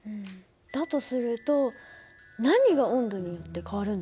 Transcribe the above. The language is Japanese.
だとすると何が温度によって変わるんだろう？